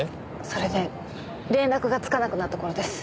それで連絡がつかなくなった頃です。